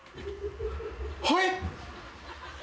はい？